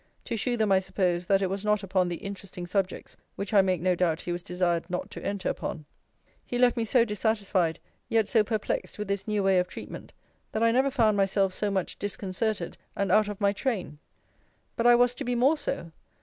To shew them, I suppose, that it was not upon the interesting subjects which I make no doubt he was desired not to enter upon. He left me so dissatisfied, yet so perplexed with this new way of treatment, that I never found myself so much disconcerted, and out of my train. But I was to be more so.